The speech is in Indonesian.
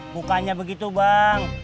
bukannya begitu bang